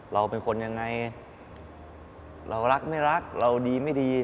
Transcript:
เราเป็นคนยังไงเรารักไม่รักเราดีไม่ดี